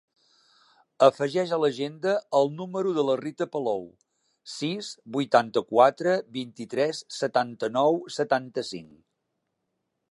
Afegeix a l'agenda el número de la Rita Palou: sis, vuitanta-quatre, vint-i-tres, setanta-nou, setanta-cinc.